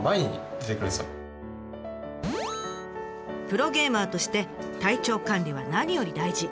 プロゲーマーとして体調管理は何より大事。